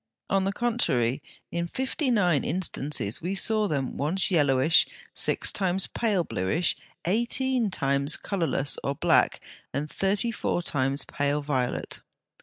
On the contrary, in fifty nine instances we saw them once yellowish, six times pale bluish, eighteen times colourless or black, and thirty four times pale violet.